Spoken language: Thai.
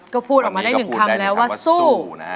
ก็พูดออกมาได้หนึ่งคำแล้วว่าสู้